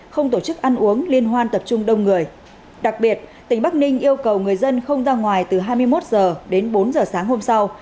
không tổ chức ăn uống liên hoan tập trung đông người đặc biệt tỉnh bắc ninh yêu cầu người dân không ra ngoài từ hai mươi một h đến bốn h sáng hôm sau